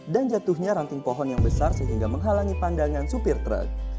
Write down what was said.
dan jatuhnya ranting pohon yang besar sehingga menghalangi pandangan supir truk